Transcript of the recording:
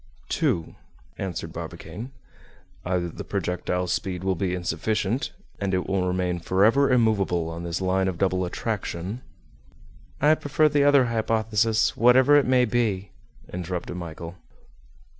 "Two," answered Barbicane; "either the projectile's speed will be insufficient, and it will remain forever immovable on this line of double attraction—" "I prefer the other hypothesis, whatever it may be," interrupted Michel.